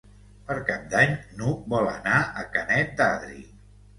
Per Cap d'Any n'Hug vol anar a Canet d'Adri.